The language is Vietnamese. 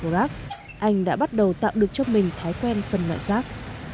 rac anh đã bắt đầu tạo được cho mình thói quen phân loại giác